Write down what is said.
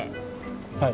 はい。